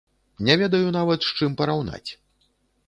Не ведаю нават, з чым параўнаць.